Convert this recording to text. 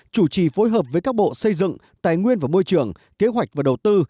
chủ trì phối hợp với các bộ xây dựng tài nguyên và môi trường kế hoạch và đầu tư